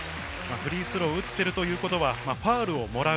フリースローを打っているということはファウルをもらう。